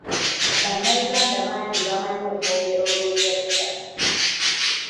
Bannayuganda bangi bamanyi okwongera Olungereza.